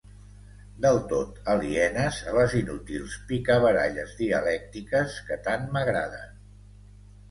Del tot alienes a les inútils picabaralles dialèctiques que tant m'agraden.